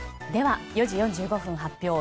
では、４時４５分発表